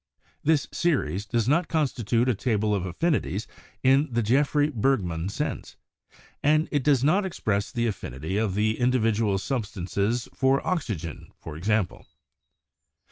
This series does not constitute a table of affinities in the GeofTroy Bergman sense ; and it does not express the affinity of the individual substances for oxygen, for example.